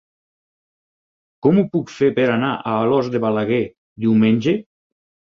Com ho puc fer per anar a Alòs de Balaguer diumenge?